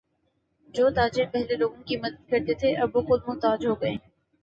جو تاجر پہلے لوگوں کی مدد کرتے تھے وہ اب خود محتاج ہوگئے ہیں